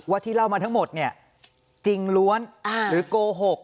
ที่เล่ามาทั้งหมดเนี่ยจริงล้วนหรือโกหก